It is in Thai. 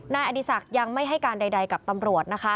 นายอดีศักดิ์ยังไม่ให้การใดกับตำรวจนะคะ